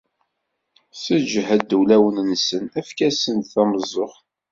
Sseǧhed ulawen-nsen, efk-asen-d tameẓẓuɣt.